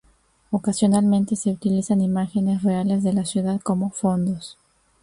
Ocasionalmente se utilizan imágenes reales de la ciudad como fondos.